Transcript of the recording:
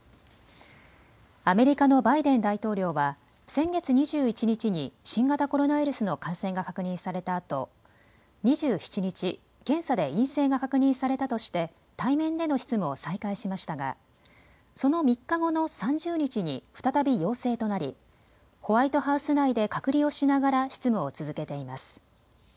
アメリカのバイデン大統領は先月２１日に新型コロナウイルスの感染が確認されたあと２７日、検査で陰性が確認されたとして対面での執務を再開しましたが、その３日後の３０日に再び陽性となりホワイトハウス内で隔離をしながら執務を続けています。